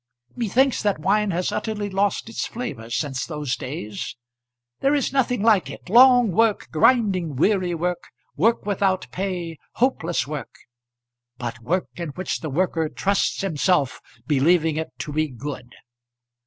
Methinks that wine has utterly lost its flavour since those days. There is nothing like it; long work, grinding weary work, work without pay, hopeless work; but work in which the worker trusts himself, believing it to be good.